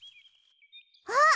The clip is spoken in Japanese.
あっ！